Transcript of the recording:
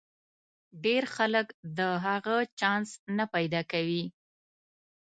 ډېر خلک د هغه چانس نه پیدا کوي.